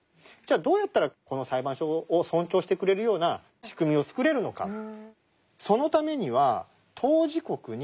じゃあどうやったらこの裁判所を尊重してくれるような仕組みを作れるのか。